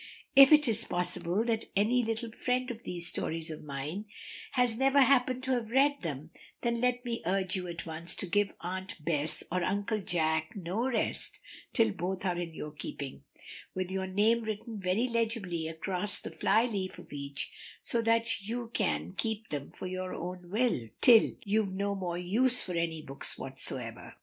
If it is possible that any little friend of these stories of mine has never happened to have read them, then let me urge you at once to give Aunt Bess or Uncle Jack no rest till both are in your keeping, with your name written very legibly across the fly leaf of each, so that you can keep them for your very own till you've no more use for any books whatsoever.